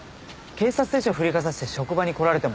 警察手帳振りかざして職場に来られても。